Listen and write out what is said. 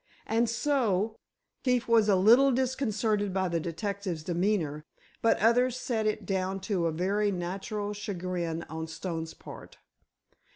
"And so," Keefe was a little disconcerted by the detective's demeanor, but others set it down to a very natural chagrin on Stone's part.